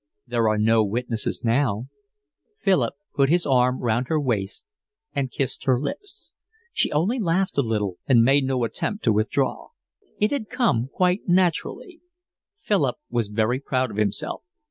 "There are no witnesses now." Philip put his arm round her waist and kissed her lips. She only laughed a little and made no attempt to withdraw. It had come quite naturally. Philip was very proud of himself.